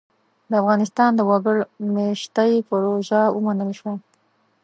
د افغانستان د وګړ مېشتۍ پروژه ومنل شوه.